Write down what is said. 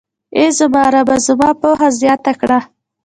اې زما ربه، زما پوهه زياته کړه.